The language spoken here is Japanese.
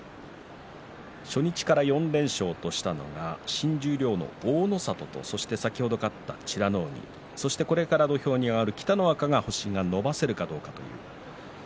初日から４連勝としたのが新十両の大の里と美ノ海そしてこれから土俵に上がる北の若が星を伸ばせるかどうかというところ。